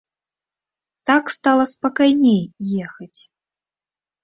Так стала спакайней ехаць.